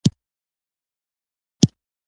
هغه څه چې د سر په سترګو نه لیدل کیږي